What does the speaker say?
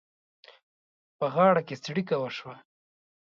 په غاړه کې څړيکه شوه.